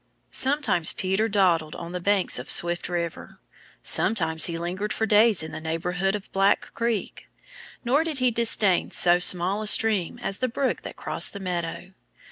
Sometimes Peter dawdled on the banks of Swift River. Sometimes he lingered for days in the neighborhood of Black Creek. Nor did he disdain so small a stream as the brook that crossed the meadow.